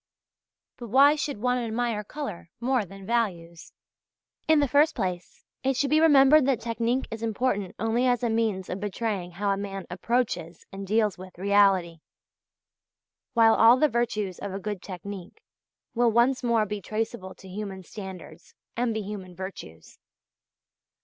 But why should one admire colour more than values? In the first place it should be remembered that technique is important only as a means of betraying how a man approaches and deals with reality; while all the virtues of a good technique will once more be traceable to human standards, and be human virtues.